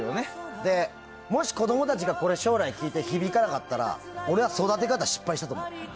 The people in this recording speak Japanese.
で、もし子供たちがこれを将来聴いて響かなかったら俺は育て方失敗したと思う。